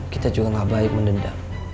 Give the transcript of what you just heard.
kita juga gak baik mendendam